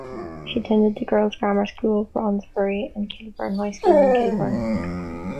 She attended the girls' grammar school Brondesbury and Kilburn High School in Kilburn.